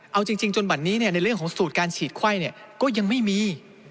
เอาจริงจนบัดนี้ในเรื่องของสูตรการฉีดไข้ก็ยังไม่มี